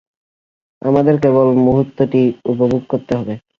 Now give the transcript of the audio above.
আমাদের কেবল মুহুর্তটি উপভোগ করতে হবে।